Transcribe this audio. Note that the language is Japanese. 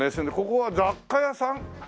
ここは雑貨屋さん？